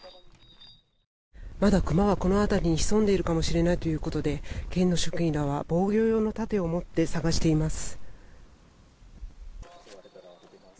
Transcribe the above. まだクマはこの辺りに潜んでいるかもしれないということで県の職員らは防御用の盾を持って探しています。